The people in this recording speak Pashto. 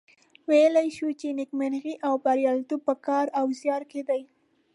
ویلای شو چې نیکمرغي او بریالیتوب په کار او زیار کې دي.